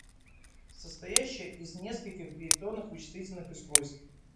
Состоящая из нескольких электронных вычислительных устройств.